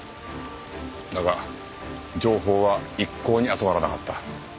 だが情報は一向に集まらなかった。